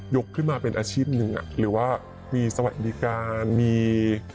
ขึ้นมาเป็นอาชีพหนึ่งหรือว่ามีสวัสดิการมี